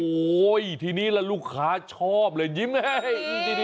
โอ้โหทีนี้แล้วลูกค้าชอบเลยยิ้มให้